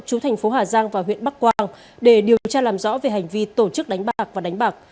chú thành phố hà giang và huyện bắc quang để điều tra làm rõ về hành vi tổ chức đánh bạc và đánh bạc